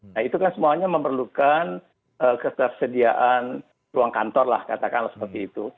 nah itu kan semuanya memerlukan ketersediaan ruang kantor lah katakanlah seperti itu